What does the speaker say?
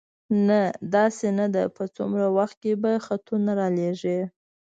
نه، داسې نه ده، په څومره وخت کې به خطونه را لېږې؟